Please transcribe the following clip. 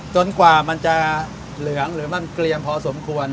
กว่ามันจะเหลืองหรือมันเกลียงพอสมควร